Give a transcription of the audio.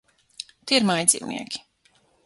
Tie ir mājdzīvnieki.